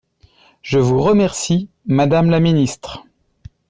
Je vous remercie, madame la ministre.